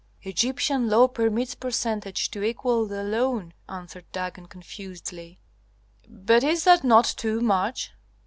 "Egyptian law permits percentage to equal the loan," answered Dagon, confusedly. "But is that not too much?"